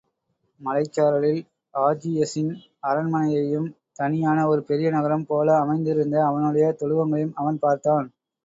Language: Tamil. மலைச் சாரலில் ஆஜியஸின் அரண்மனையையும், தனியான ஒரு பெரிய நகரம் போல அமைந்திருந்த அவனுடைய தொழுவங்களையும அவன் பார்த்தான்.